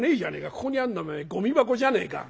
ここにあんのはおめえゴミ箱じゃねえか」。